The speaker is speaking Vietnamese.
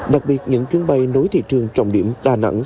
đặc biệt những chuyến bay nối thị trường trọng điểm đà nẵng